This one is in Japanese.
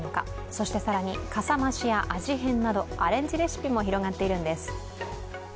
そして更にかさ増しや味変などアレンジレシピも広がっているんです。